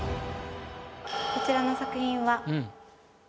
こちらの作品は。